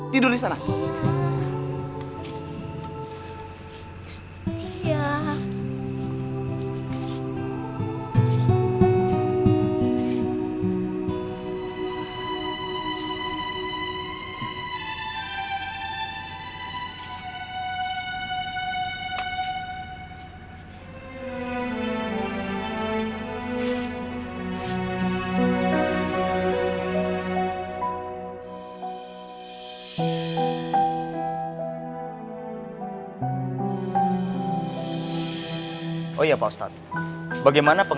tidur di sana